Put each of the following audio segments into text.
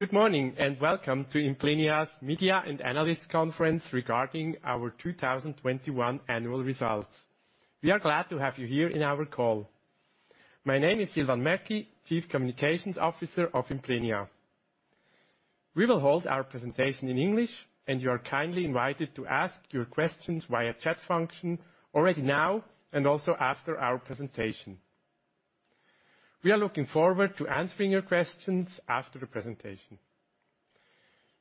Good morning, and welcome to Implenia's Media and Analyst Conference regarding our 2021 annual results. We are glad to have you here in our call. My name is Silvan Merki, Chief Communications Officer of Implenia. We will hold our presentation in English, and you are kindly invited to ask your questions via chat function already now and also after our presentation. We are looking forward to answering your questions after the presentation.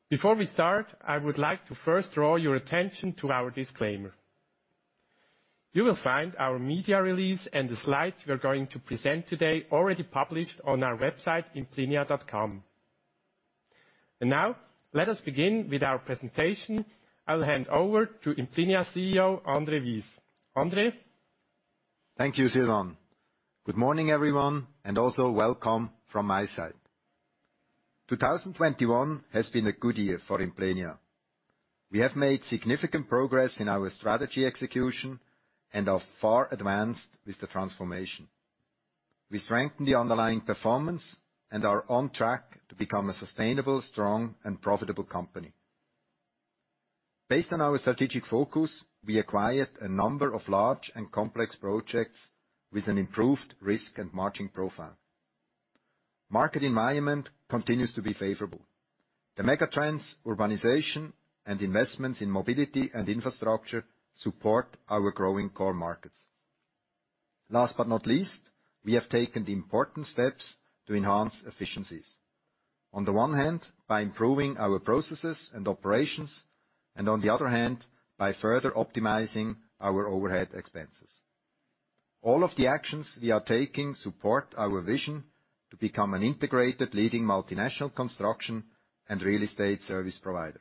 Before we start, I would like to first draw your attention to our disclaimer. You will find our media release and the slides we are going to present today already published on our website, implenia.com. Now, let us begin with our presentation. I'll hand over to Implenia CEO, André Wyss. André? Thank you, Silvan. Good morning, everyone, and also welcome from my side. 2021 has been a good year for Implenia. We have made significant progress in our strategy execution and are far advanced with the transformation. We strengthened the underlying performance and are on track to become a sustainable, strong, and profitable company. Based on our strategic focus, we acquired a number of large and complex projects with an improved risk and margin profile. Market environment continues to be favorable. The mega trends, urbanization, and investments in mobility and infrastructure support our growing core markets. Last but not least, we have taken the important steps to enhance efficiencies. On the one hand, by improving our processes and operations, and on the other hand, by further optimizing our overhead expenses. All of the actions we are taking support our vision to become an integrated leading multinational construction and real estate service provider.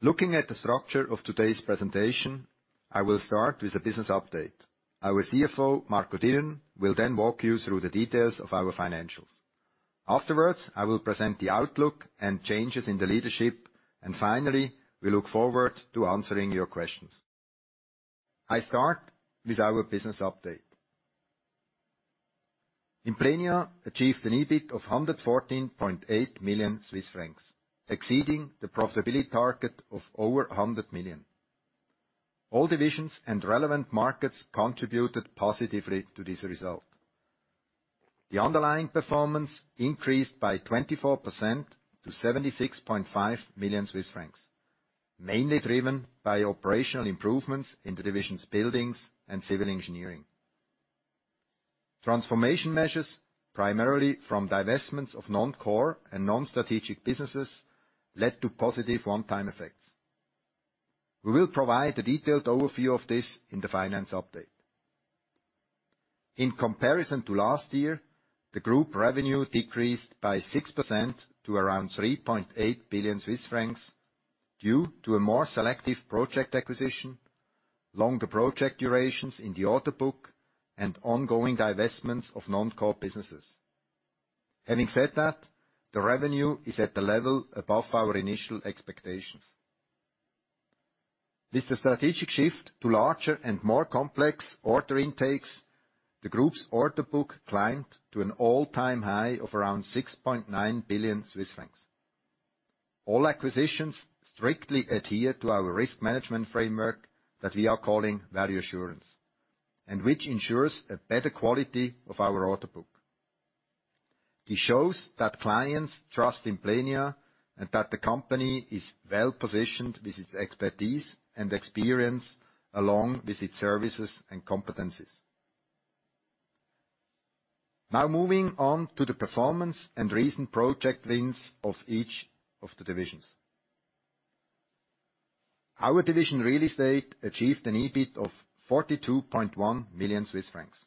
Looking at the structure of today's presentation, I will start with a business update. Our CFO, Marco Dirren, will then walk you through the details of our financials. Afterwards, I will present the outlook and changes in the leadership, and finally, we look forward to answering your questions. I start with our business update. Implenia achieved an EBIT of 114.8 million Swiss francs, exceeding the profitability target of over 100 million. All divisions and relevant markets contributed positively to this result. The underlying performance increased by 24% to 76.5 million Swiss francs, mainly driven by operational improvements in the divisions Buildings and Civil Engineering. Transformation measures, primarily from divestments of non-core and non-strategic businesses, led to positive one-time effects. We will provide a detailed overview of this in the finance update. In comparison to last year, the group revenue decreased by 6% to around 3.8 billion Swiss francs due to a more selective project acquisition, longer project durations in the order book, and ongoing divestments of non-core businesses. Having said that, the revenue is at the level above our initial expectations. With the strategic shift to larger and more complex order intakes, the group's order book climbed to an all-time high of around 6.9 billion Swiss francs. All acquisitions strictly adhere to our risk management framework that we are calling Value Assurance, and which ensures a better quality of our order book. This shows that clients trust Implenia, and that the company is well-positioned with its expertise and experience along with its services and competencies. Now moving on to the performance and recent project wins of each of the divisions. Our division Real Estate achieved an EBIT of 42.1 million Swiss francs.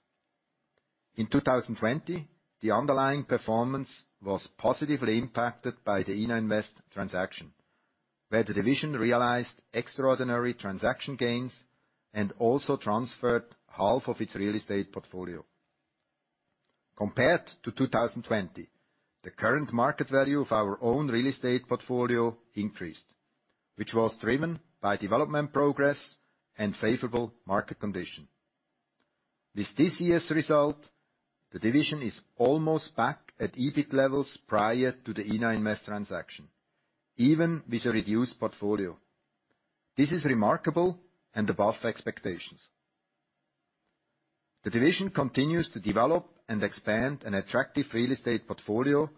In 2020, the underlying performance was positively impacted by the Ina Invest transaction, where the division realized extraordinary transaction gains and also transferred half of its real estate portfolio. Compared to 2020, the current market value of our own real estate portfolio increased, which was driven by development progress and favorable market condition. With this year's result, the division is almost back at EBIT levels prior to the Ina Invest transaction, even with a reduced portfolio. This is remarkable and above expectations. The division continues to develop and expand an attractive real estate portfolio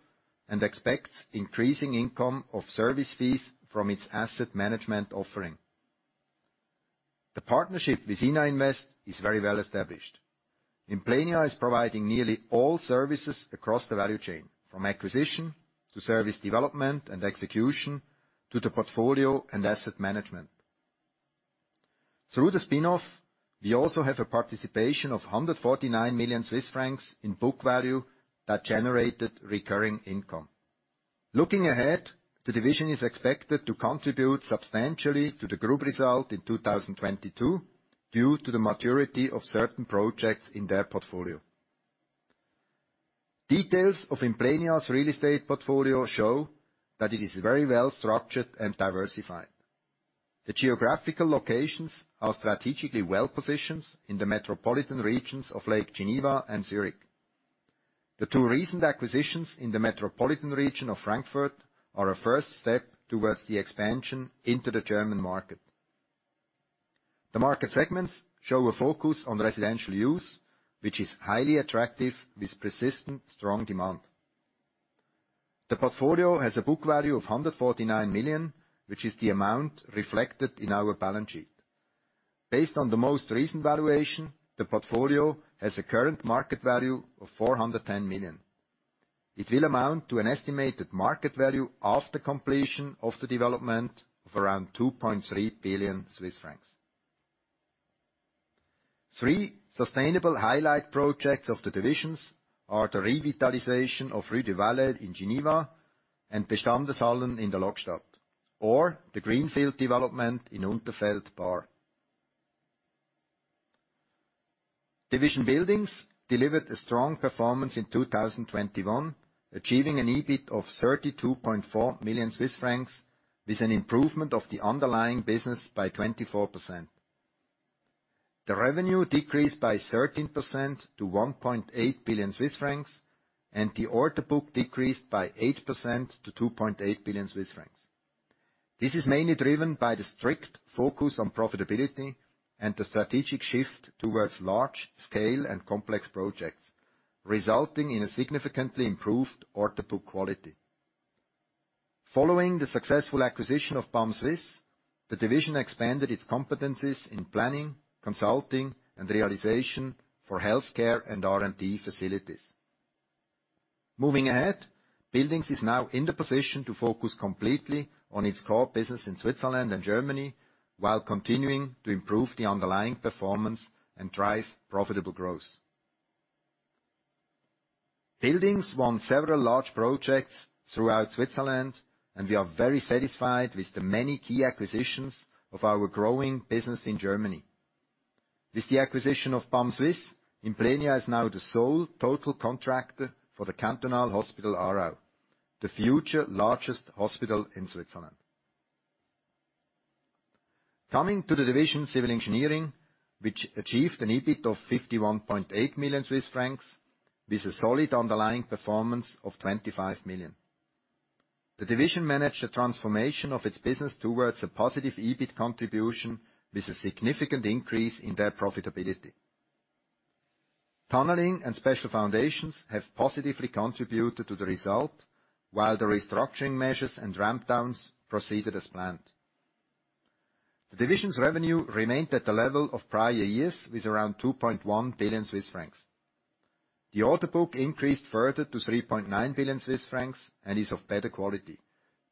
and expects increasing income of service fees from its asset management offering. The partnership with Ina Invest is very well-established. Implenia is providing nearly all services across the value chain, from acquisition to service development and execution to the portfolio and asset management. Through the spin-off, we also have a participation of 149 million Swiss francs in book value that generated recurring income. Looking ahead, the division is expected to contribute substantially to the group result in 2022 due to the maturity of certain projects in their portfolio. Details of Implenia's real estate portfolio show that it is very well-structured and diversified. The geographical locations are strategically well-positioned in the metropolitan regions of Lake Geneva and Zurich. The two recent acquisitions in the metropolitan region of Frankfurt are a first step towards the expansion into the German market. The market segments show a focus on residential use, which is highly attractive with persistent strong demand. The portfolio has a book value of 149 million, which is the amount reflected in our balance sheet. Based on the most recent valuation, the portfolio has a current market value of 410 million. It will amount to an estimated market value after completion of the development of around 2.3 billion Swiss francs. Three sustainable highlight projects of the divisions are the revitalization of Rue du Valais in Geneva and Bestandeshallen in the Lokstadt, or the greenfield development in Unterfeld, Baar. Division Buildings delivered a strong performance in 2021, achieving an EBIT of 32.4 million Swiss francs, with an improvement of the underlying business by 24%. The revenue decreased by 13% to 1.8 billion Swiss francs, and the order book decreased by 8% to 2.8 billion Swiss francs. This is mainly driven by the strict focus on profitability and the strategic shift towards large-scale and complex projects, resulting in a significantly improved order book quality. Following the successful acquisition of BAM Swiss, the division expanded its competencies in planning, consulting, and realization for healthcare and R&D facilities. Moving ahead, Buildings is now in the position to focus completely on its core business in Switzerland and Germany while continuing to improve the underlying performance and drive profitable growth. Buildings won several large projects throughout Switzerland, and we are very satisfied with the many key acquisitions of our growing business in Germany. With the acquisition of BAM Swiss, Implenia is now the sole total contractor for the Cantonal Hospital Aarau, the future largest hospital in Switzerland. Coming to the division Civil Engineering, which achieved an EBIT of 51.8 million Swiss francs, with a solid underlying performance of 25 million. The division managed the transformation of its business towards a positive EBIT contribution with a significant increase in their profitability. Tunneling and special foundations have positively contributed to the result, while the restructuring measures and ramp downs proceeded as planned. The division's revenue remained at the level of prior years with around 2.1 billion Swiss francs. The order book increased further to 3.9 billion Swiss francs and is of better quality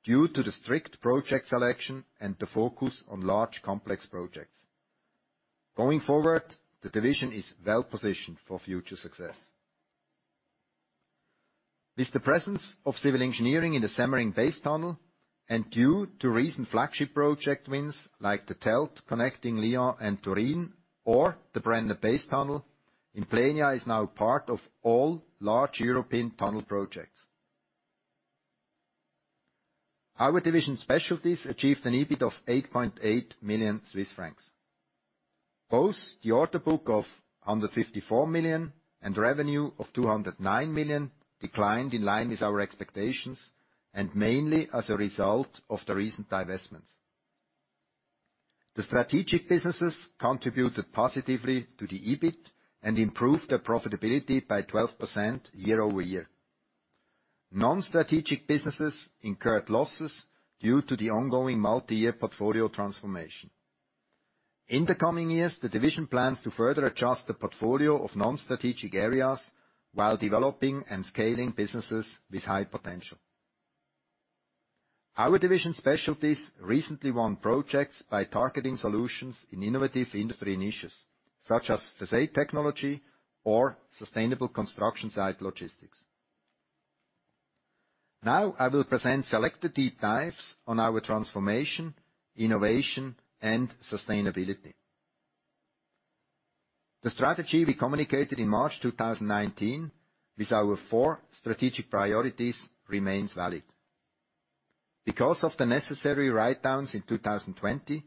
due to the strict project selection and the focus on large, complex projects. Going forward, the division is well-positioned for future success. With the presence of Civil Engineering in the Semmering Base Tunnel, and due to recent flagship project wins, like the TELT connecting Lyon and Turin or the Brenner Base Tunnel, Implenia is now part of all large European tunnel projects. Our division Specialties achieved an EBIT of 8.8 million Swiss francs. Both the order book of 154 million and revenue of 209 million declined in line with our expectations and mainly as a result of the recent divestments. The strategic businesses contributed positively to the EBIT and improved their profitability by 12% year-over-year. Non-strategic businesses incurred losses due to the ongoing multi-year portfolio transformation. In the coming years, the division plans to further adjust the portfolio of non-strategic areas while developing and scaling businesses with high potential. Our division Specialties recently won projects by targeting solutions in innovative industry niches, such as facade technology or sustainable construction site logistics. Now I will present selected deep dives on our transformation, innovation, and sustainability. The strategy we communicated in March 2019 with our four strategic priorities remains valid. Because of the necessary writedowns in 2020,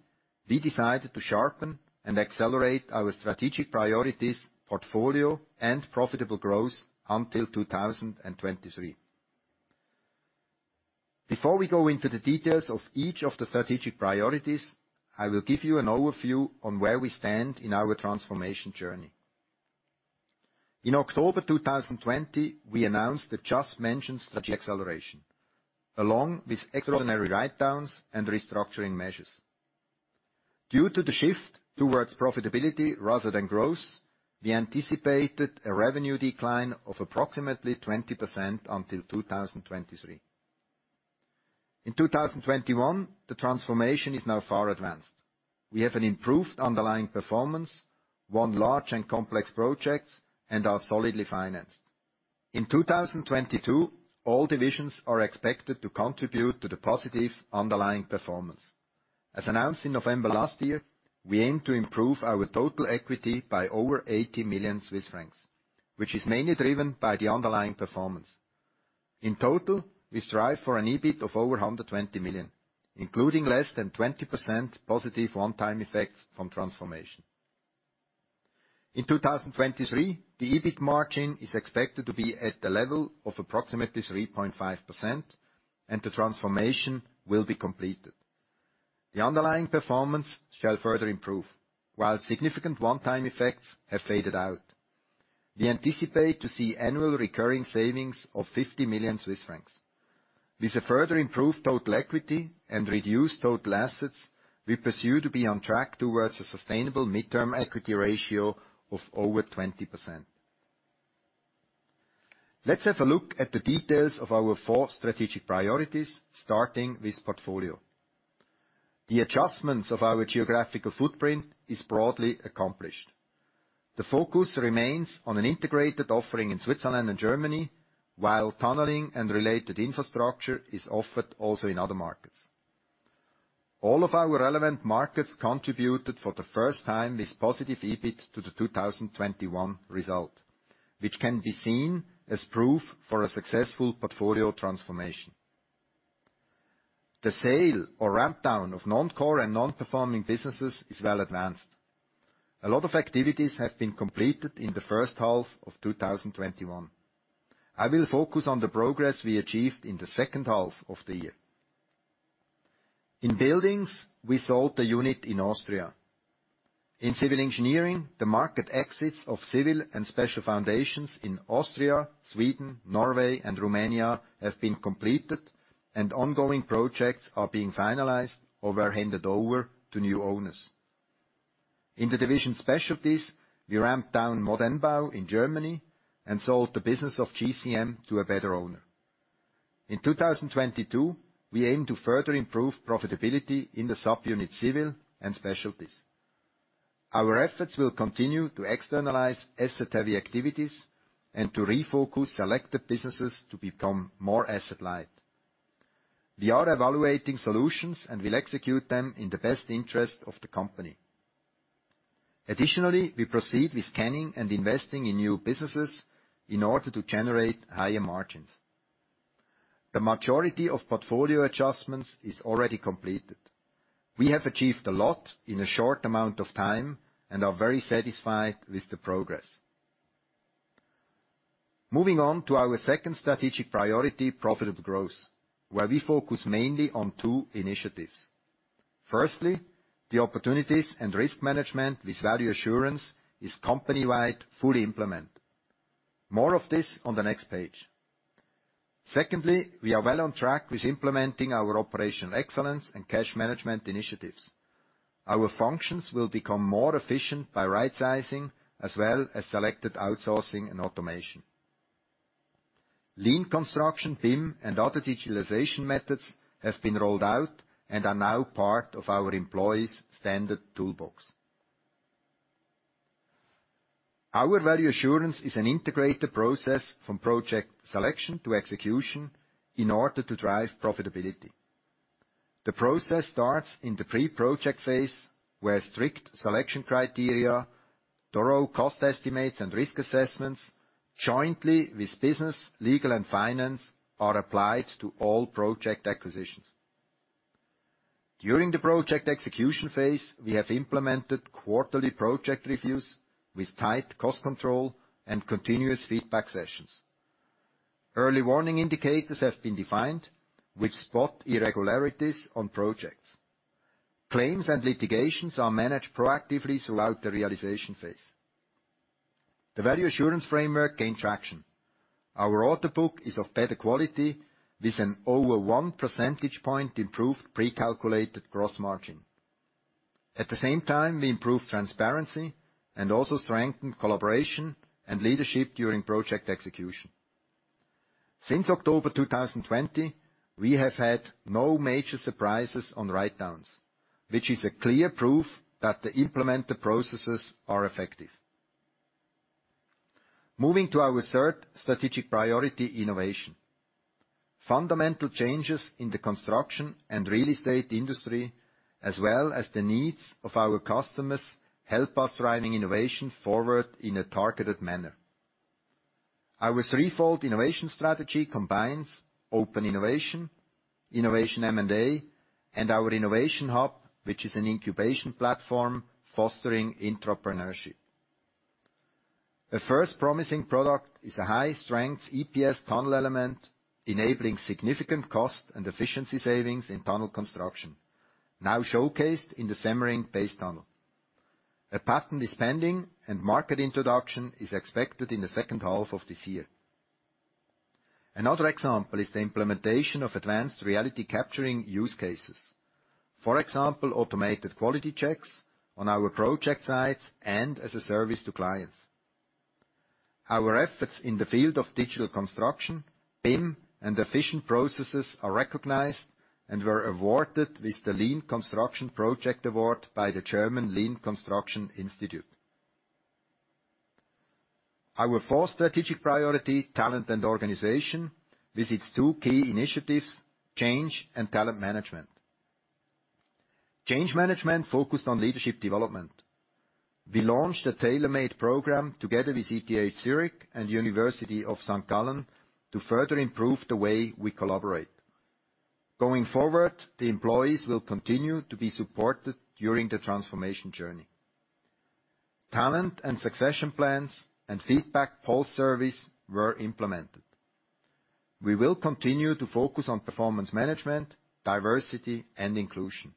we decided to sharpen and accelerate our strategic priorities, portfolio, and profitable growth until 2023. Before we go into the details of each of the strategic priorities, I will give you an overview on where we stand in our transformation journey. In October 2020, we announced the just mentioned strategy acceleration, along with extraordinary writedowns and restructuring measures. Due to the shift towards profitability rather than growth, we anticipated a revenue decline of approximately 20% until 2023. In 2021, the transformation is now far advanced. We have an improved underlying performance, won large and complex projects, and are solidly financed. In 2022, all divisions are expected to contribute to the positive underlying performance. As announced in November last year, we aim to improve our total equity by over 80 million Swiss francs, which is mainly driven by the underlying performance. In total, we strive for an EBIT of over 120 million, including less than 20% positive one-time effects from transformation. In 2023, the EBIT margin is expected to be at the level of approximately 3.5% and the transformation will be completed. The underlying performance shall further improve, while significant one-time effects have faded out. We anticipate to see annual recurring savings of 50 million Swiss francs. With a further improved total equity and reduced total assets, we are poised to be on track towards a sustainable mid-term equity ratio of over 20%. Let's have a look at the details of our four strategic priorities, starting with portfolio. The adjustments of our geographical footprint are broadly accomplished. The focus remains on an integrated offering in Switzerland and Germany, while tunneling and related infrastructure is offered also in other markets. All of our relevant markets contributed for the first time with positive EBIT to the 2021 result, which can be seen as proof for a successful portfolio transformation. The sale or ramp down of non-core and non-performing businesses is well advanced. A lot of activities have been completed in the first half of 2021. I will focus on the progress we achieved in the second half of the year. In Buildings, we sold the unit in Austria. In Civil Engineering, the market exits of civil and special foundations in Austria, Sweden, Norway, and Romania have been completed, and ongoing projects are being finalized or were handed over to new owners. In the division Specialties, we ramped down Modernbau in Germany and sold the business of GCM to a better owner. In 2022, we aim to further improve profitability in the subunit civil and specialties. Our efforts will continue to externalize asset-heavy activities and to refocus selected businesses to become more asset light. We are evaluating solutions and will execute them in the best interest of the company. Additionally, we proceed with scanning and investing in new businesses in order to generate higher margins. The majority of portfolio adjustments is already completed. We have achieved a lot in a short amount of time and are very satisfied with the progress. Moving on to our second strategic priority, profitable growth, where we focus mainly on two initiatives. Firstly, the opportunities and risk management with Value Assurance is company-wide fully implemented. More of this on the next page. Secondly, we are well on track with implementing our operational excellence and cash management initiatives. Our functions will become more efficient by rightsizing as well as selected outsourcing and automation. Lean Construction, BIM, and other digitalization methods have been rolled out and are now part of our employees' standard toolbox. Our Value Assurance is an integrated process from project selection to execution in order to drive profitability. The process starts in the pre-project phase, where strict selection criteria, thorough cost estimates, and risk assessments jointly with business, legal, and finance, are applied to all project acquisitions. During the project execution phase, we have implemented quarterly project reviews with tight cost control and continuous feedback sessions. Early warning indicators have been defined, which spot irregularities on projects. Claims and litigations are managed proactively throughout the realization phase. The Value Assurance framework gained traction. Our order book is of better quality with an over 1 percentage point improved pre-calculated gross margin. At the same time, we improve transparency and also strengthen collaboration and leadership during project execution. Since October 2020, we have had no major surprises on write-downs, which is a clear proof that the implemented processes are effective. Moving to our third strategic priority, innovation. Fundamental changes in the construction and real estate industry, as well as the needs of our customers, help us driving innovation forward in a targeted manner. Our threefold innovation strategy combines open innovation, innovation M&A, and our innovation hub, which is an incubation platform fostering entrepreneurship. The first promising product is a high-strength EPS tunnel element, enabling significant cost and efficiency savings in tunnel construction, now showcased in the Semmering Base Tunnel. A patent is pending and market introduction is expected in the second half of this year. Another example is the implementation of advanced reality capturing use cases. For example, automated quality checks on our project sites and as a service to clients. Our efforts in the field of digital construction, BIM, and efficient processes are recognized and were awarded with the Lean Construction Project Award by the German Lean Construction Institute. Our fourth strategic priority, talent and organization, visits two key initiatives, change and talent management. Change management focused on leadership development. We launched a tailor-made program together with ETH Zurich and University of St. Gallen to further improve the way we collaborate. Going forward, the employees will continue to be supported during the transformation journey. Talent and succession plans and feedback pulse surveys were implemented. We will continue to focus on performance management, diversity, and inclusion.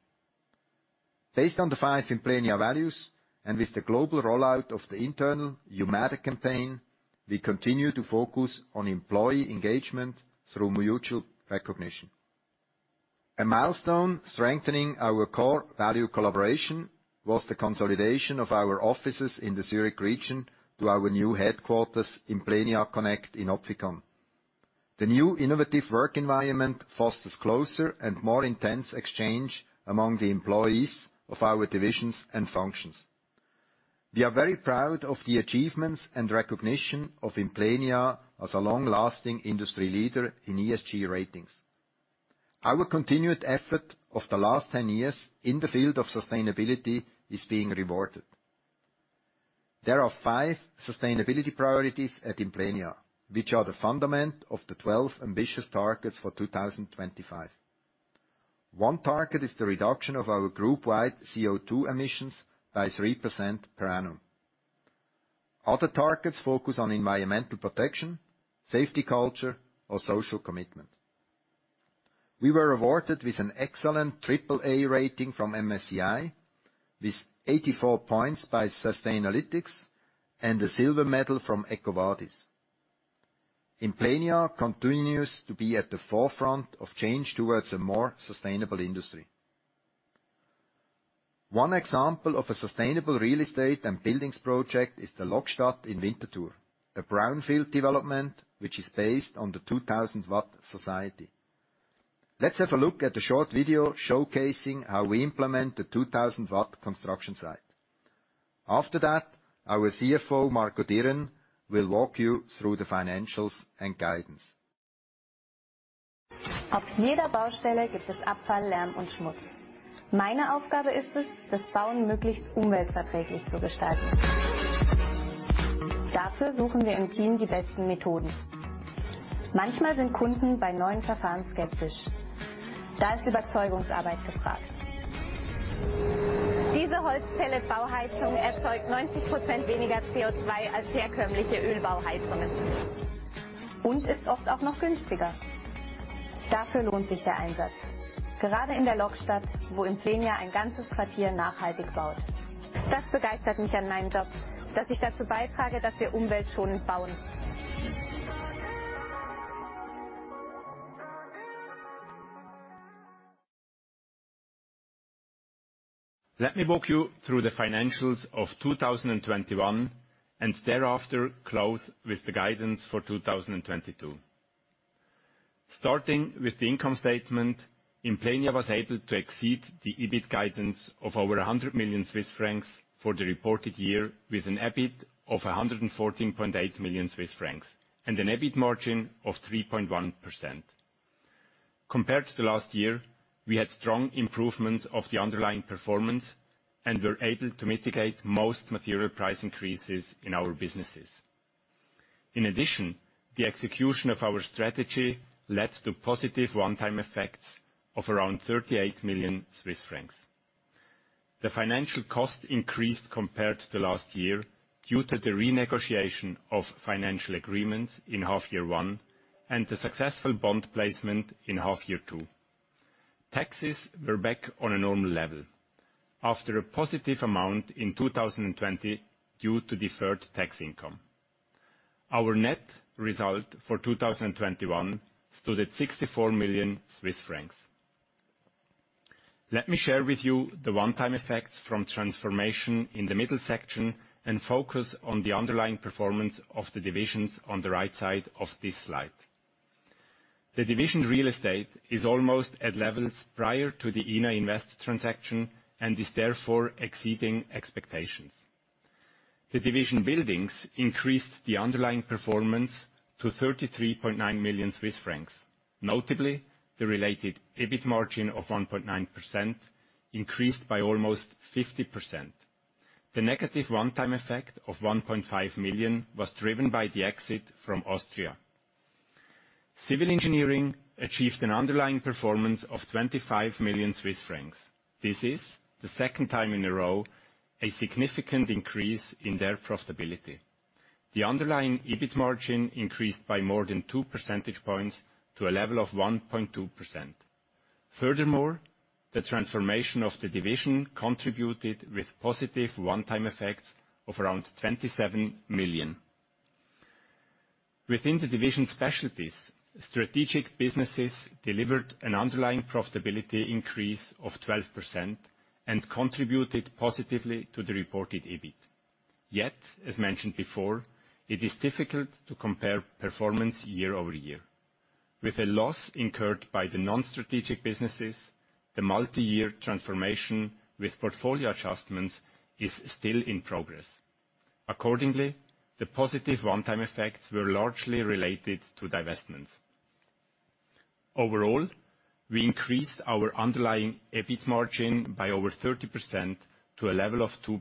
Based on the five Implenia values, and with the global rollout of the internal You Matter campaign, we continue to focus on employee engagement through mutual recognition. A milestone strengthening our core value collaboration was the consolidation of our offices in the Zurich region to our new headquarters, Implenia Connect, in Opfikon. The new innovative work environment fosters closer and more intense exchange among the employees of our divisions and functions. We are very proud of the achievements and recognition of Implenia as a long-lasting industry leader in ESG ratings. Our continued effort of the last 10 years in the field of sustainability is being rewarded. There are five sustainability priorities at Implenia, which are the fundament of the 12 ambitious targets for 2025. One target is the reduction of our group-wide CO2 emissions by 3% per annum. Other targets focus on environmental protection, safety culture, or social commitment. We were awarded with an excellent AAA rating from MSCI, with 84 points by Sustainalytics, and a silver medal from EcoVadis. Implenia continues to be at the forefront of change towards a more sustainable industry. One example of a sustainable real estate and buildings project is the Lokstadt in Winterthur, a brownfield development which is based on the 2000-watt society. Let's have a look at a short video showcasing how we implement the 2000-watt construction site. After that, our CFO, Marco Dirren, will walk you through the financials and guidance. Let me walk you through the financials of 2021, and thereafter close with the guidance for 2022. Starting with the income statement, Implenia was able to exceed the EBIT guidance of over 100 million Swiss francs for the reported year, with an EBIT of 114.8 million Swiss francs and an EBIT margin of 3.1%. Compared to last year, we had strong improvements of the underlying performance and were able to mitigate most material price increases in our businesses. In addition, the execution of our strategy led to positive one-time effects of around 38 million Swiss francs. The financial cost increased compared to last year due to the renegotiation of financial agreements in half year one and the successful bond placement in half year two. Taxes were back on a normal level after a positive amount in 2020 due to deferred tax income. Our net result for 2021 stood at 64 million Swiss francs. Let me share with you the one-time effects from transformation in the middle section and focus on the underlying performance of the divisions on the right side of this slide. The division Real Estate is almost at levels prior to the Ina Invest transaction and is therefore exceeding expectations. The division Buildings increased the underlying performance to 33.9 million Swiss francs. Notably, the related EBIT margin of 1.9% increased by almost 50%. The negative one-time effect of 1.5 million was driven by the exit from Austria. Civil Engineering achieved an underlying performance of 25 million Swiss francs. This is the second time in a row a significant increase in their profitability. The underlying EBIT margin increased by more than 2 percentage points to a level of 1.2%. Furthermore, the transformation of the division contributed with positive one-time effects of around 27 million. Within the division Specialties, strategic businesses delivered an underlying profitability increase of 12% and contributed positively to the reported EBIT. Yet, as mentioned before, it is difficult to compare performance year-over-year. With a loss incurred by the non-strategic businesses, the multi-year transformation with portfolio adjustments is still in progress. Accordingly, the positive one-time effects were largely related to divestments. Overall, we increased our underlying EBIT margin by over 30% to a level of 2%.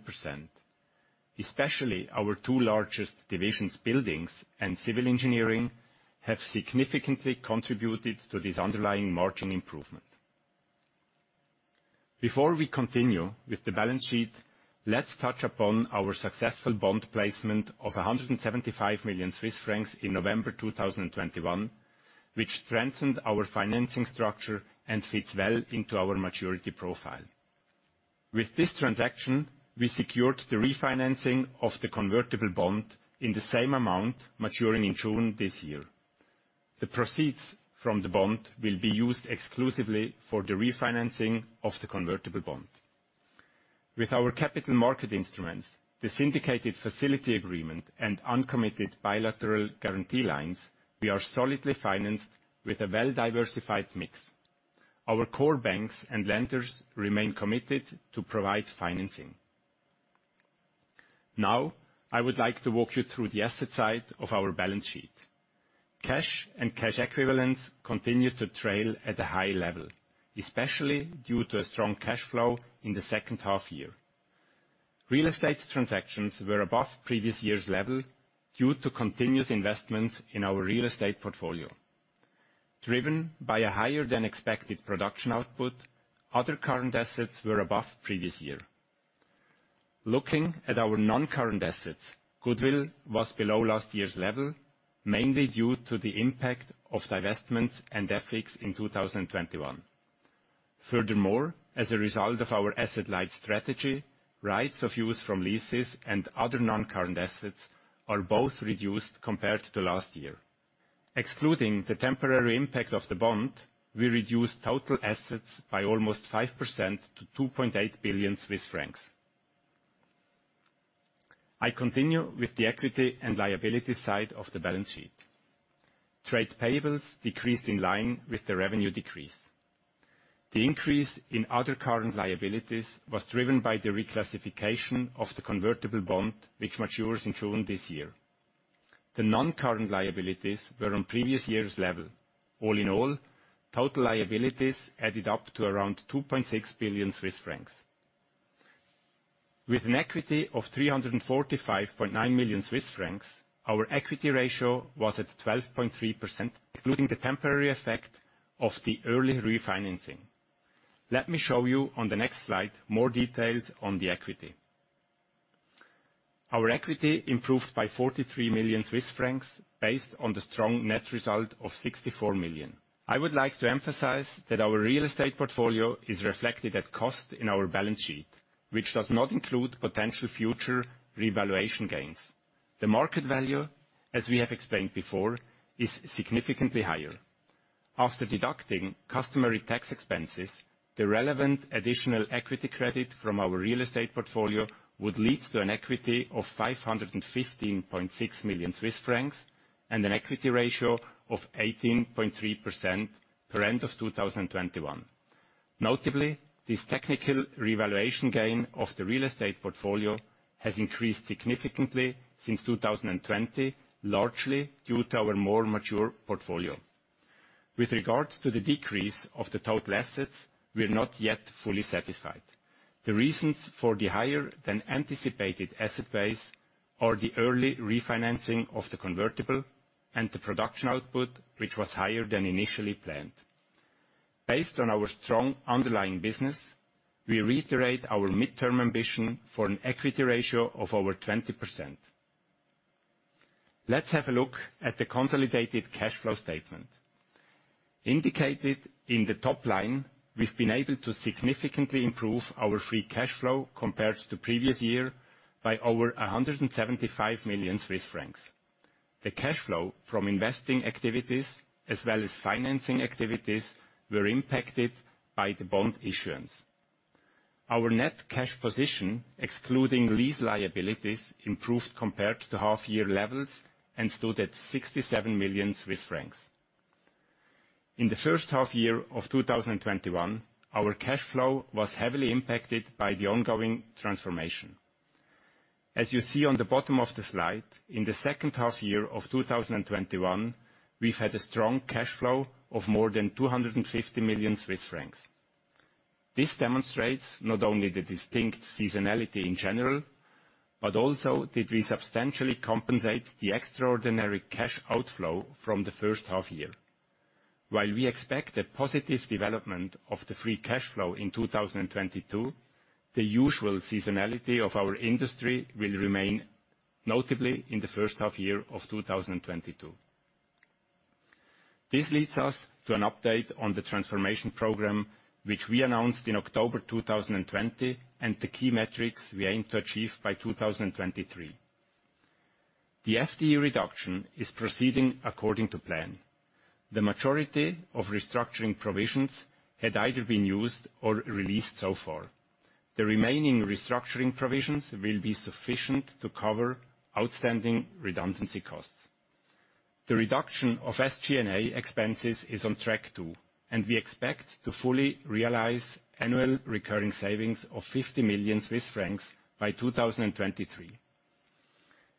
Especially our two largest divisions, Buildings and Civil Engineering, have significantly contributed to this underlying margin improvement. Before we continue with the balance sheet, let's touch upon our successful bond placement of 175 million Swiss francs in November 2021, which strengthened our financing structure and fits well into our maturity profile. With this transaction, we secured the refinancing of the convertible bond in the same amount maturing in June this year. The proceeds from the bond will be used exclusively for the refinancing of the convertible bond. With our capital market instruments, the syndicated facility agreement, and uncommitted bilateral guarantee lines, we are solidly financed with a well-diversified mix. Our core banks and lenders remain committed to provide financing. Now, I would like to walk you through the asset side of our balance sheet. Cash and cash equivalents continue to remain at a high level, especially due to a strong cash flow in the second half year. Real estate transactions were above previous year's level due to continuous investments in our real estate portfolio. Driven by a higher than expected production output, other current assets were above previous year. Looking at our non-current assets, goodwill was below last year's level, mainly due to the impact of divestments and FX in 2021. Furthermore, as a result of our asset light strategy, rights of use from leases and other non-current assets are both reduced compared to last year. Excluding the temporary impact of the bond, we reduced total assets by almost 5% to 2.8 billion Swiss francs. I continue with the equity and liability side of the balance sheet. Trade payables decreased in line with the revenue decrease. The increase in other current liabilities was driven by the reclassification of the convertible bond which matures in June this year. The non-current liabilities were on previous year's level. All in all, total liabilities added up to around 2.6 billion Swiss francs. With an equity of 345.9 million Swiss francs, our equity ratio was at 12.3%, including the temporary effect of the early refinancing. Let me show you on the next slide more details on the equity. Our equity improved by 43 million Swiss francs based on the strong net result of 64 million. I would like to emphasize that our real estate portfolio is reflected at cost in our balance sheet, which does not include potential future revaluation gains. The market value, as we have explained before, is significantly higher. After deducting customary tax expenses, the relevant additional equity credit from our real estate portfolio would lead to an equity of 515.6 million Swiss francs and an equity ratio of 18.3% per end of 2021. Notably, this technical revaluation gain of the real estate portfolio has increased significantly since 2020, largely due to our more mature portfolio. With regards to the decrease of the total assets, we're not yet fully satisfied. The reasons for the higher than anticipated asset base are the early refinancing of the convertible and the production output, which was higher than initially planned. Based on our strong underlying business, we reiterate our midterm ambition for an equity ratio of over 20%. Let's have a look at the consolidated cash flow statement. Indicated in the top line, we've been able to significantly improve our free cash flow compared to previous year by over 175 million Swiss francs. The cash flow from investing activities as well as financing activities were impacted by the bond issuance. Our net cash position, excluding lease liabilities, improved compared to half-year levels and stood at 67 million Swiss francs. In the first half year of 2021, our cash flow was heavily impacted by the ongoing transformation. As you see on the bottom of the slide, in the second half year of 2021, we've had a strong cash flow of more than 250 million Swiss francs. This demonstrates not only the distinct seasonality in general, but also did we substantially compensate the extraordinary cash outflow from the first half year. While we expect a positive development of the free cash flow in 2022, the usual seasonality of our industry will remain, notably in the first half year of 2022. This leads us to an update on the transformation program, which we announced in October 2020, and the key metrics we aim to achieve by 2023. The FTE reduction is proceeding according to plan. The majority of restructuring provisions had either been used or released so far. The remaining restructuring provisions will be sufficient to cover outstanding redundancy costs. The reduction of SG&A expenses is on track too, and we expect to fully realize annual recurring savings of 50 million Swiss francs by 2023.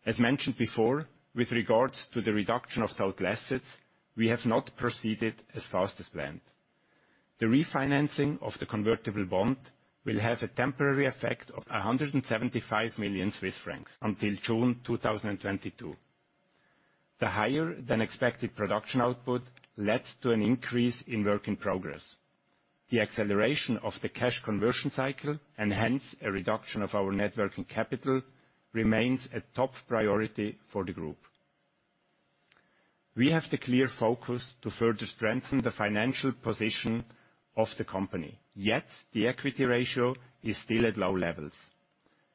As mentioned before, with regards to the reduction of sold assets, we have not proceeded as fast as planned. The refinancing of the convertible bond will have a temporary effect of 175 million Swiss francs until June 2022. The higher-than-expected production output led to an increase in work in progress. The acceleration of the cash conversion cycle, and hence a reduction of our net working capital, remains a top priority for the group. We have the clear focus to further strengthen the financial position of the company, yet the equity ratio is still at low levels.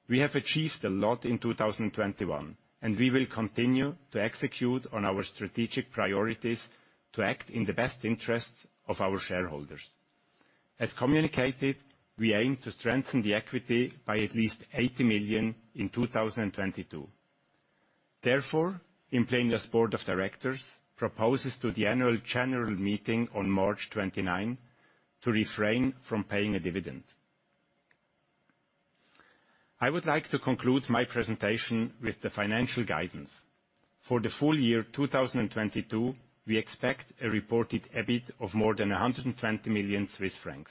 We have achieved a lot in 2021, and we will continue to execute on our strategic priorities to act in the best interests of our shareholders. As communicated, we aim to strengthen the equity by at least 80 million in 2022. Therefore, Implenia's board of directors proposes to the annual general meeting on March 29 to refrain from paying a dividend. I would like to conclude my presentation with the financial guidance. For the full year 2022, we expect a reported EBIT of more than 120 million Swiss francs.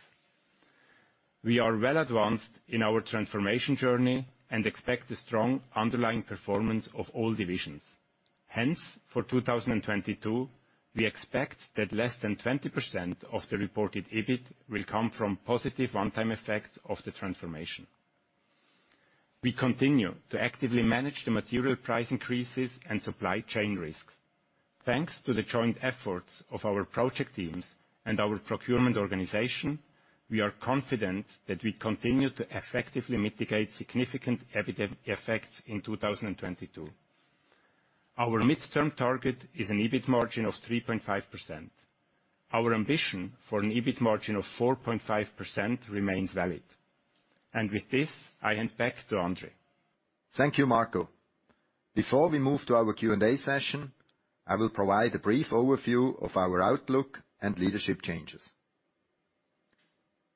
We are well advanced in our transformation journey and expect a strong underlying performance of all divisions. Hence, for 2022, we expect that less than 20% of the reported EBIT will come from positive one-time effects of the transformation. We continue to actively manage the material price increases and supply chain risks. Thanks to the joint efforts of our project teams and our procurement organization, we are confident that we continue to effectively mitigate significant EBIT effects in 2022. Our midterm target is an EBIT margin of 3.5%. Our ambition for an EBIT margin of 4.5% remains valid. With this, I hand back to André. Thank you, Marco. Before we move to our Q&A session, I will provide a brief overview of our outlook and leadership changes.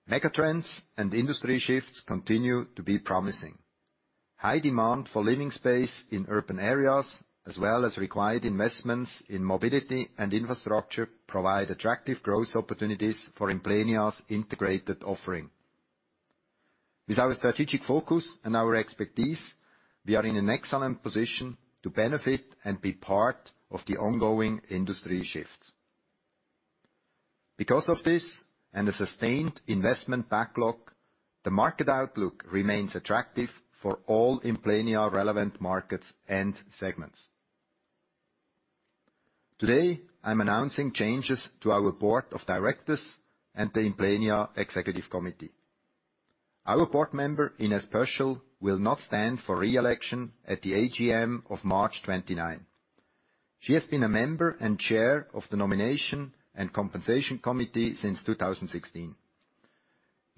Megatrends and industry shifts continue to be promising. High demand for living space in urban areas, as well as required investments in mobility and infrastructure, provide attractive growth opportunities for Implenia's integrated offering. With our strategic focus and our expertise, we are in an excellent position to benefit and be part of the ongoing industry shifts. Because of this, and a sustained investment backlog, the market outlook remains attractive for all Implenia relevant markets and segments. Today, I'm announcing changes to our Board of Directors and the Implenia Executive Committee. Our board member, Ines Pöschel, will not stand for re-election at the AGM of March 29. She has been a member and chair of the nomination and compensation committee since 2016.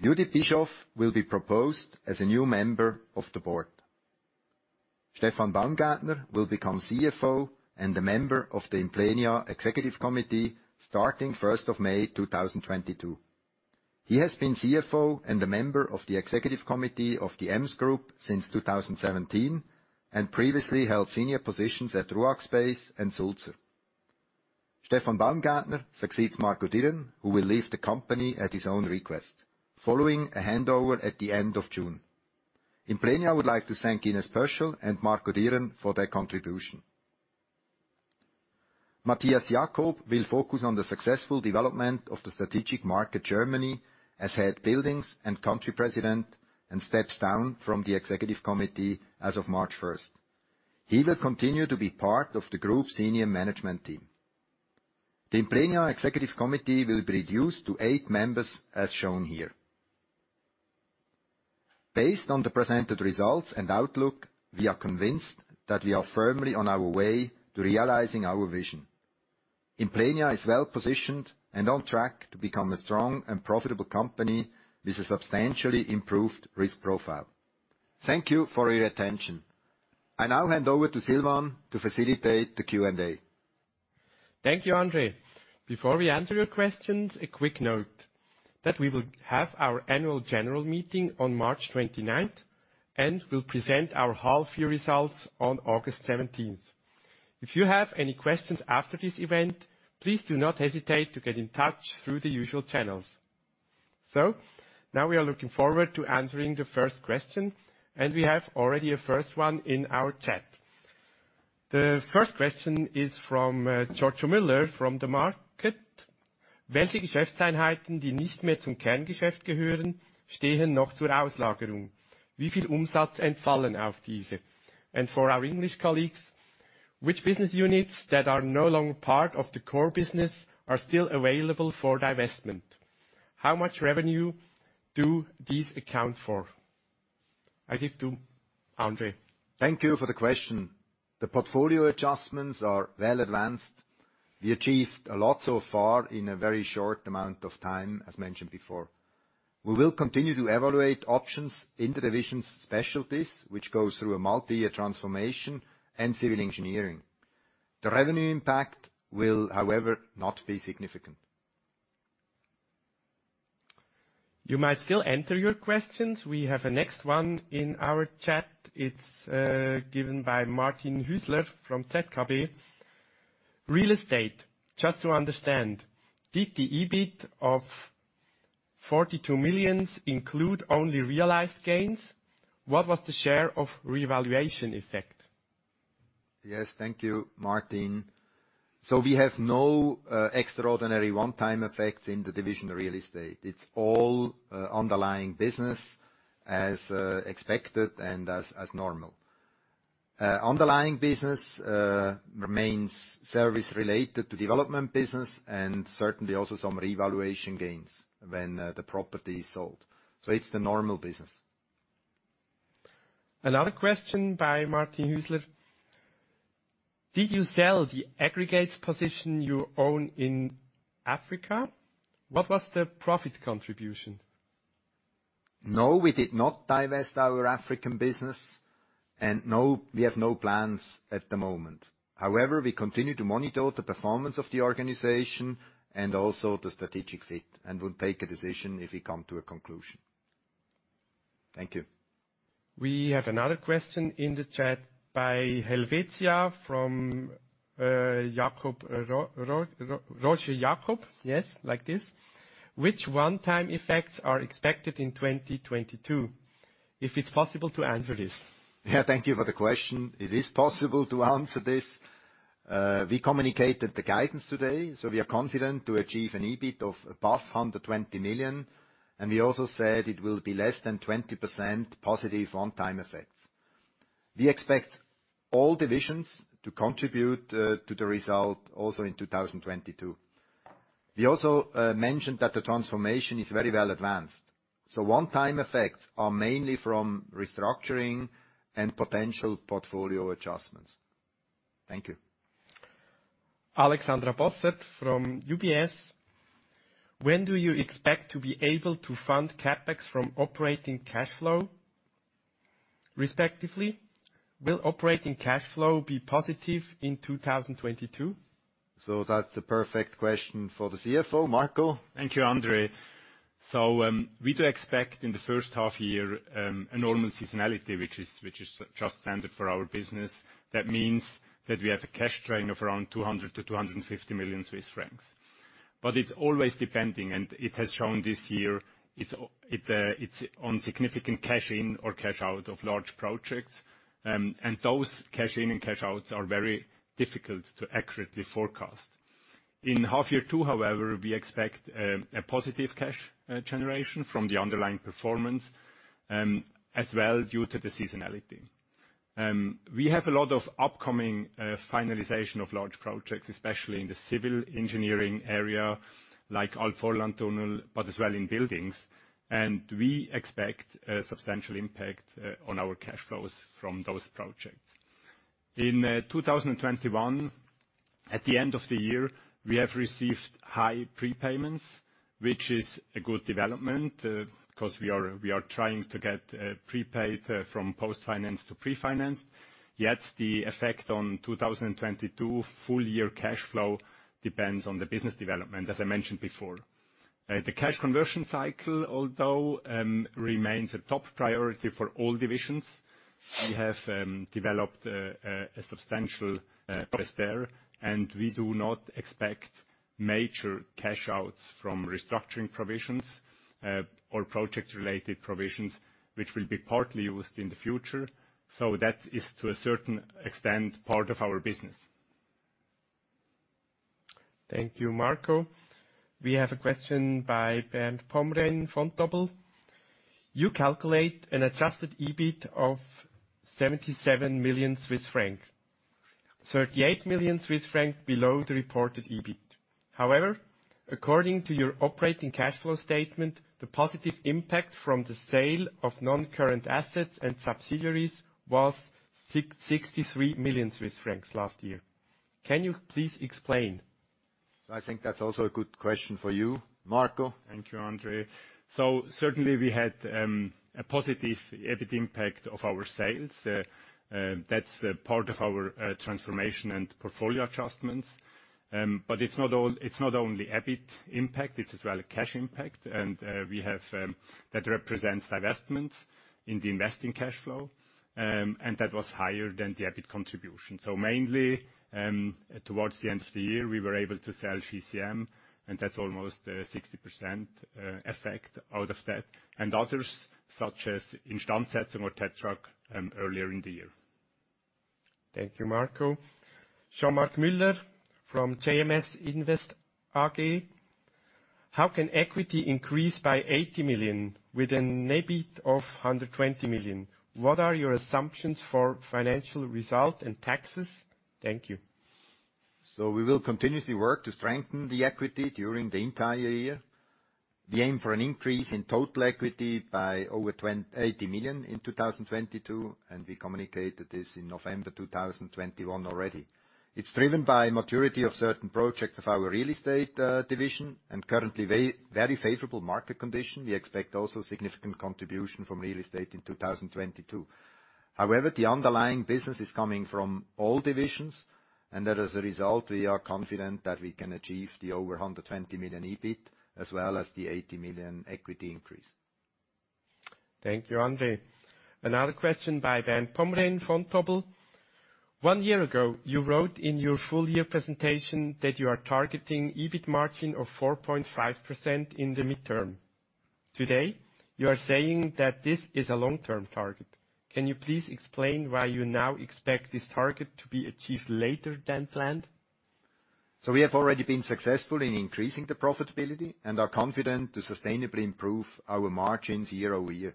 Judith Bischof will be proposed as a new member of the board. Stefan Baumgärtner will become CFO and a member of the Implenia executive committee starting 1st of May, 2022. He has been CFO and a member of the executive committee of the EMS Group since 2017, and previously held senior positions at RUAG Space and Sulzer. Stefan Baumgärtner succeeds Marco Dirren, who will leave the company at his own request, following a handover at the end of June. Implenia would like to thank Ines Pöschel and Marco Dirren for their contribution. Matthias Jacob will focus on the successful development of the strategic market Germany as Head Buildings and Country President, and steps down from the executive committee as of March 1st. He will continue to be part of the group senior management team. The Implenia executive committee will be reduced to eight members, as shown here. Based on the presented results and outlook, we are convinced that we are firmly on our way to realizing our vision. Implenia is well-positioned and on track to become a strong and profitable company with a substantially improved risk profile. Thank you for your attention. I now hand over to Silvan to facilitate the Q&A. Thank you, André. Before we answer your questions, a quick note that we will have our annual general meeting on March 29th, and we'll present our half-year results on August 17th. If you have any questions after this event, please do not hesitate to get in touch through the usual channels. Now we are looking forward to answering the first question, and we have already a first one in our chat. The first question is from Giorgio Müller from the market. For our English colleagues, which business units that are no longer part of the core business are still available for divestment? How much revenue do these account for? I give to André. Thank you for the question. The portfolio adjustments are well advanced. We achieved a lot so far in a very short amount of time, as mentioned before. We will continue to evaluate options in the division Specialties, which goes through a multi-year transformation and Civil Engineering. The revenue impact will, however, not be significant. You might still enter your questions. We have a next one in our chat. It's given by Martin Hüsler from ZKB. Real estate, just to understand, did the EBIT of 42 million include only realized gains? What was the share of revaluation effect? Yes. Thank you, Martin. We have no extraordinary one-time effects in the real estate division. It's all underlying business as expected and as normal. Underlying business remains service-related to development business and certainly also some revaluation gains when the property is sold. It's the normal business. Another question by Martin Hüsler. Did you sell the aggregates position you own in Africa? What was the profit contribution? No, we did not divest our African business, and no, we have no plans at the moment. However, we continue to monitor the performance of the organization and also the strategic fit, and we'll take a decision if we come to a conclusion. Thank you. We have another question in the chat by Helvetia from Jakob Rochat. Yes, like this. Which one-time effects are expected in 2022? If it's possible to answer this. Yeah. Thank you for the question. It is possible to answer this. We communicated the guidance today, so we are confident to achieve an EBIT of above 120 million, and we also said it will be less than 20% positive one-time effects. We expect all divisions to contribute to the result also in 2022. We also mentioned that the transformation is very well advanced. One-time effects are mainly from restructuring and potential portfolio adjustments. Thank you. Alexandra Bossert from UBS: When do you expect to be able to fund CapEx from operating cash flow? Respectively, will operating cash flow be positive in 2022? That's the perfect question for the CFO. Marco? Thank you, André. We do expect in the first half-year a normal seasonality, which is just standard for our business. That means that we have a cash drain of around 200 million-250 million Swiss francs. It's always depending, and it has shown this year it's on significant cash in or cash out of large projects. Those cash in and cash outs are very difficult to accurately forecast. In half-year two, however, we expect a positive cash generation from the underlying performance as well due to the seasonality. We have a lot of upcoming finalization of large projects, especially in the civil engineering area like Albvorland Tunnel, but as well in buildings, and we expect a substantial impact on our cash flows from those projects. In 2021, at the end of the year, we have received high prepayments, which is a good development, 'cause we are trying to get prepaid from post-finance to pre-finance. Yet the effect on 2022 full year cash flow depends on the business development, as I mentioned before. The cash conversion cycle although remains a top priority for all divisions. We have developed a substantial process there, and we do not expect major cash outs from restructuring provisions or project-related provisions, which will be partly used in the future. That is to a certain extent part of our business. Thank you, Marco. We have a question by Bernd Pomrehn from Vontobel. You calculate an adjusted EBIT of 77 million Swiss francs, 38 million Swiss francs below the reported EBIT. However, according to your operating cash flow statement, the positive impact from the sale of non-current assets and subsidiaries was 63 million Swiss francs last year. Can you please explain? I think that's also a good question for you, Marco. Thank you, André. Certainly we had a positive EBIT impact of our sales. That's a part of our transformation and portfolio adjustments. But it's not only EBIT impact, it's as well a cash impact. We have that represents divestments in the investing cash flow, and that was higher than the EBIT contribution. Mainly towards the end of the year, we were able to sell GCM, and that's almost a 60% effect out of that, and others such as Ina Invest or Tetrag earlier in the year. Thank you, Marco. Jean-Marc Mueller from JMS Invest AG. How can equity increase by 80 million with an EBIT of 120 million? What are your assumptions for financial result and taxes? Thank you. We will continuously work to strengthen the equity during the entire year. We aim for an increase in total equity by over 80 million in 2022, and we communicated this in November 2021 already. It's driven by maturity of certain projects of our real estate division and currently very favorable market condition. We expect also significant contribution from real estate in 2022. However, the underlying business is coming from all divisions, and that as a result, we are confident that we can achieve the over 120 million EBIT as well as the 80 million equity increase. Thank you, André. Another question by Bernd Pomrehn, Vontobel. One year ago, you wrote in your full-year presentation that you are targeting EBIT margin of 4.5% in the midterm. Today, you are saying that this is a long-term target. Can you please explain why you now expect this target to be achieved later than planned? We have already been successful in increasing the profitability and are confident to sustainably improve our margins year-over-year.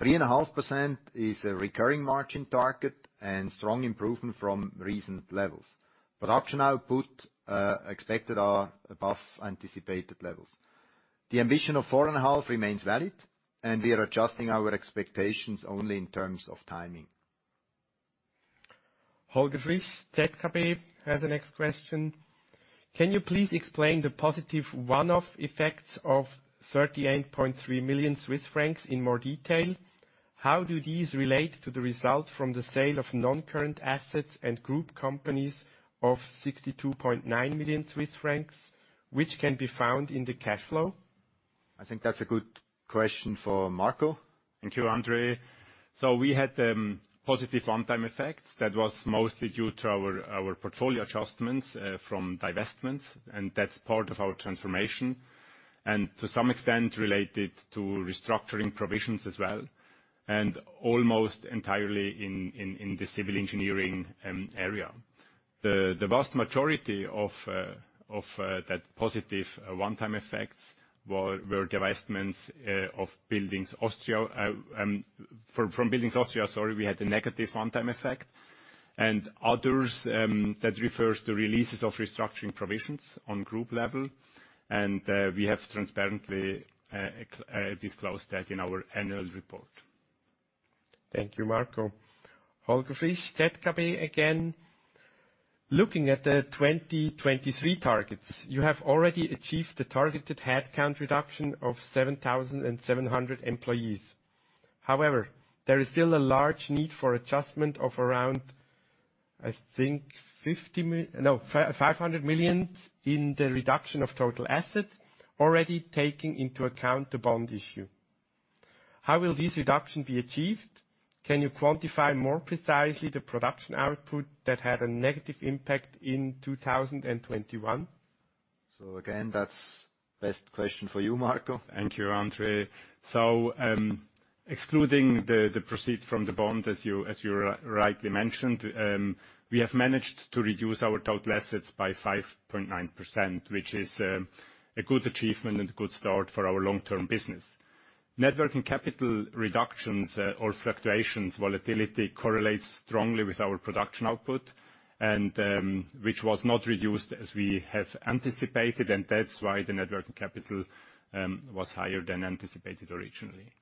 3.5% is a recurring margin target and strong improvement from recent levels. Production output expected are above anticipated levels. The ambition of 4.5% remains valid, and we are adjusting our expectations only in terms of timing. Holger Frisch, ZKB, has the next question. Can you please explain the positive one-off effects of 38.3 million Swiss francs in more detail? How do these relate to the results from the sale of non-current assets and group companies of 62.9 million Swiss francs, which can be found in the cash flow? I think that's a good question for Marco. Thank you, André. We had positive one-time effects that was mostly due to our portfolio adjustments from divestments, and that's part of our transformation. To some extent related to restructuring provisions as well, and almost entirely in the civil engineering area. The vast majority of that positive one-time effects were divestments of Buildings Austria. From Buildings Austria, sorry, we had a negative one-time effect. Others that refers to releases of restructuring provisions on group level, and we have transparently disclosed that in our annual report. Thank you, Marco. Holger Frisch, ZKB again. Looking at the 2023 targets, you have already achieved the targeted headcount reduction of 7,700 employees. However, there is still a large need for adjustment of around, I think, 500 million in the reduction of total assets already taking into account the bond issue. How will this reduction be achieved? Can you quantify more precisely the production output that had a negative impact in 2021? Again, that's the best question for you, Marco. Thank you, André. Excluding the proceeds from the bond, as you rightly mentioned, we have managed to reduce our total assets by 5.9%, which is a good achievement and a good start for our long-term business. Net working capital reductions or fluctuations volatility correlates strongly with our production output and which was not reduced as we have anticipated, and that's why the net working capital was higher than anticipated originally.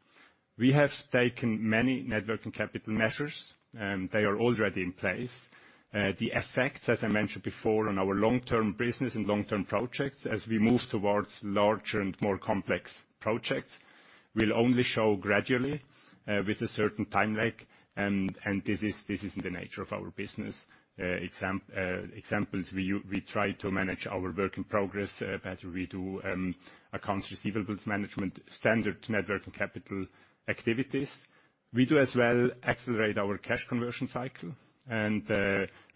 We have taken many net working capital measures, and they are already in place. The effects, as I mentioned before, on our long-term business and long-term projects, as we move towards larger and more complex projects, will only show gradually with a certain time lag, and this is in the nature of our business. Examples, we try to manage our work in progress better. We do accounts receivables management, standard net working capital activities. We do as well accelerate our cash conversion cycle, and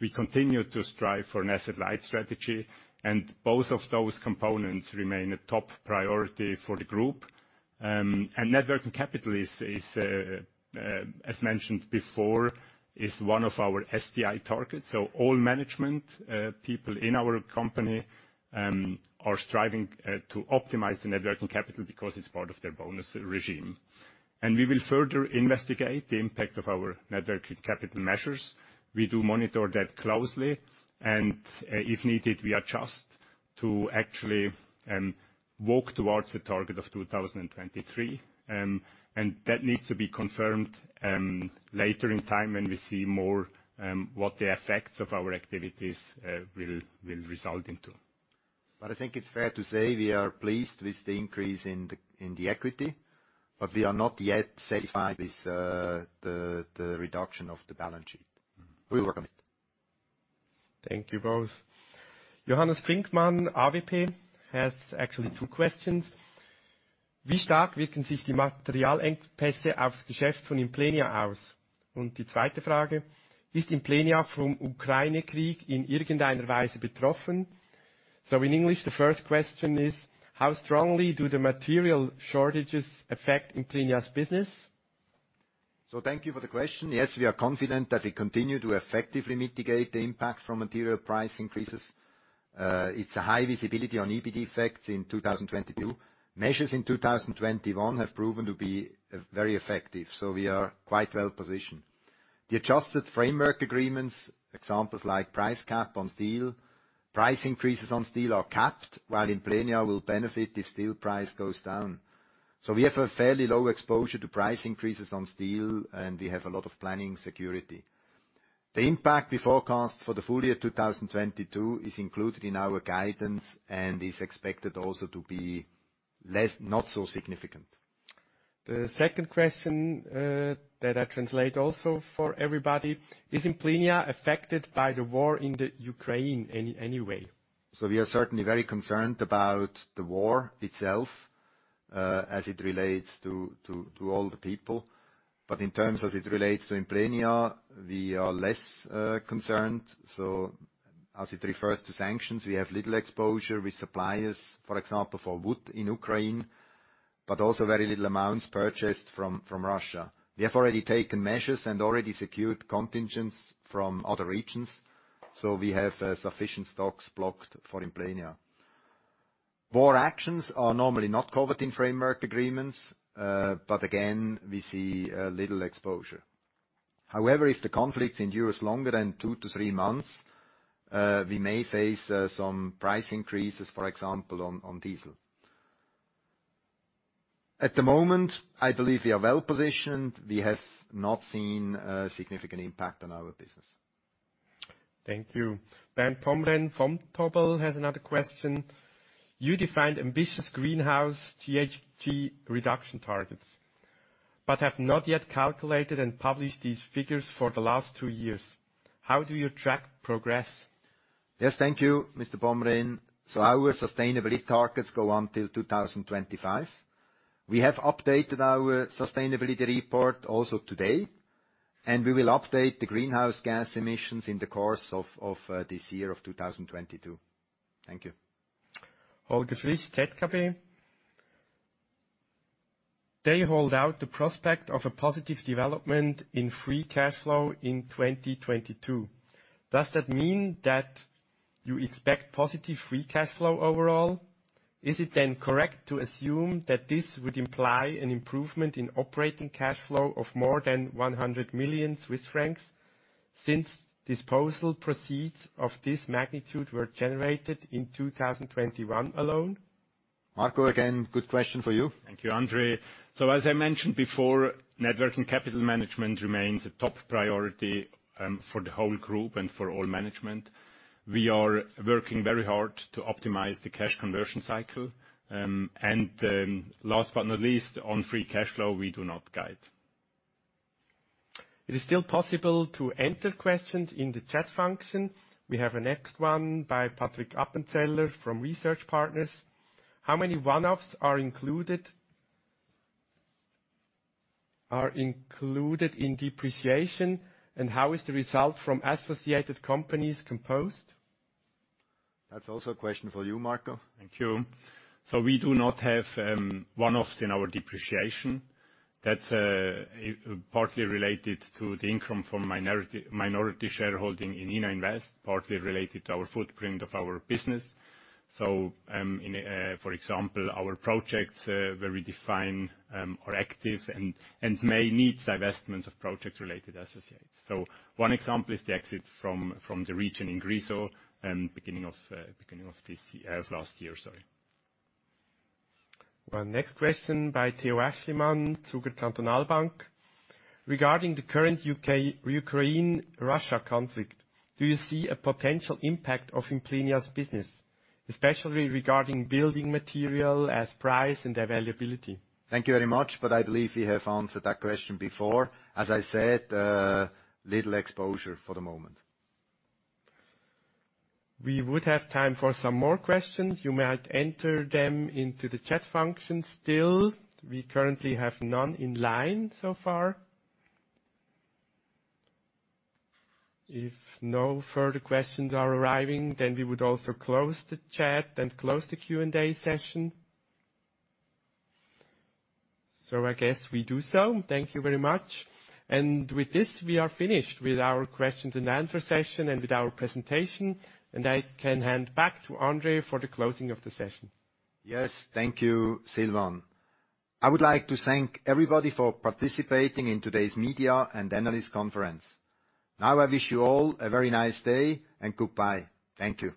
we continue to strive for an asset-light strategy, and both of those components remain a top priority for the group. Net working capital is, as mentioned before, one of our STI targets. All management people in our company are striving to optimize the net working capital because it's part of their bonus regime. We will further investigate the impact of our net working capital measures. We do monitor that closely, and if needed, we adjust to actually walk towards the target of 2023. That needs to be confirmed later in time when we see more, what the effects of our activities will result into. I think it's fair to say we are pleased with the increase in the equity, but we are not yet satisfied with the reduction of the balance sheet. We will work on it. Thank you both. Johannes Brinkmann, AWP, has actually two questions. In English, the first question is, how strongly do the material shortages affect Implenia's business? Thank you for the question. Yes, we are confident that we continue to effectively mitigate the impact from material price increases. It's a high visibility on EBIT effects in 2022. Measures in 2021 have proven to be very effective, so we are quite well-positioned. The adjusted framework agreements, examples like price cap on steel. Price increases on steel are capped, while Implenia will benefit if steel price goes down. We have a fairly low exposure to price increases on steel, and we have a lot of planning security. The impact we forecast for the full year 2022 is included in our guidance and is expected also to be less, not so significant. The second question that I translate also for everybody. Is Implenia affected by the war in the Ukraine any way? We are certainly very concerned about the war itself, as it relates to all the people. In terms of it relates to Implenia, we are less concerned. As it refers to sanctions, we have little exposure with suppliers, for example for wood in Ukraine, but also very little amounts purchased from Russia. We have already taken measures and already secured contingents from other regions. We have sufficient stocks blocked for Implenia. War actions are normally not covered in framework agreements, but again, we see little exposure. However, if the conflict endures longer than two to three months, we may face some price increases, for example on diesel. At the moment, I believe we are well positioned. We have not seen a significant impact on our business. Thank you. Bernd Pomrehn from Vontobel has another question. You defined ambitious greenhouse GHG reduction targets, but have not yet calculated and published these figures for the last two years. How do you track progress? Yes, thank you, Mr. Pomrehn. Our sustainability targets go on till 2025. We have updated our sustainability report also today, and we will update the greenhouse gas emissions in the course of this year of 2022. Thank you. Holger Frisch, ZKB. They hold out the prospect of a positive development in free cash flow in 2022. Does that mean that you expect positive free cash flow overall? Is it then correct to assume that this would imply an improvement in operating cash flow of more than 100 million Swiss francs, since disposal proceeds of this magnitude were generated in 2021 alone? Marco, again, good question for you. Thank you, André. As I mentioned before, net working capital management remains a top priority for the whole group and for all management. We are working very hard to optimize the cash conversion cycle. Last but not least, on free cash flow, we do not guide. It is still possible to enter questions in the chat function. We have a next one by Patrick Appenzeller from Research Partners. How many one-offs are included in depreciation, and how is the result from associated companies composed? That's also a question for you, Marco. Thank you. We do not have one-offs in our depreciation. That's partly related to the income from minority shareholding in Ina Invest, partly related to our footprint of our business. For example, in our projects where we are active and may need divestments of project-related associates. One example is the exit from the region in Grisons beginning of last year, sorry. Our next question by Theo Aeschlimann, Zuger Kantonalbank. Regarding the current Ukraine-Russia conflict, do you see a potential impact on Implenia's business, especially regarding building materials prices and availability? Thank you very much, but I believe we have answered that question before. As I said, little exposure for the moment. We would have time for some more questions. You might enter them into the chat function still. We currently have none in line so far. If no further questions are arriving, then we would also close the chat and close the Q&A session. I guess we do so. Thank you very much. With this, we are finished with our questions and answer session and with our presentation, and I can hand back to André for the closing of the session. Yes. Thank you, Silvan. I would like to thank everybody for participating in today's media and analyst conference. Now I wish you all a very nice day, and goodbye. Thank you.